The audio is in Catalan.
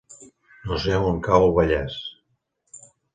No sé on cau Vallés.